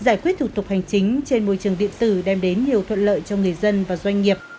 giải quyết thủ tục hành chính trên môi trường điện tử đem đến nhiều thuận lợi cho người dân và doanh nghiệp